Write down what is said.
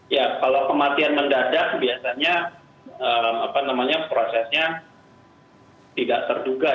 ya kalau kematian mendadak biasanya prosesnya tidak terduga